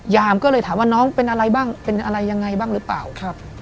ก็เลยถามว่าน้องเป็นอะไรบ้างเป็นอะไรยังไงบ้างหรือเปล่าครับ